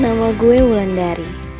nama gue mulan dari